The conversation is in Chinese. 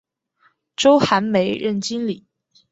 周寒梅任经理。